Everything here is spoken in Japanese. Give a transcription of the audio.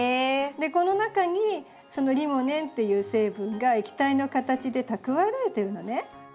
この中にリモネンっていう成分が液体の形で蓄えられてるのね。